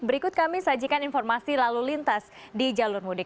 berikut kami sajikan informasi lalu lintas di jalur mudik